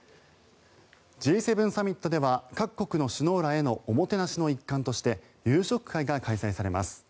Ｇ７サミットでは各国の首脳らへのおもてなしの一環として夕食会が開催されます。